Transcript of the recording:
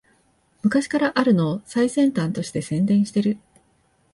昔からあるのを最先端として宣伝してる